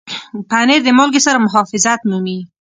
پنېر د مالګې سره محافظت مومي.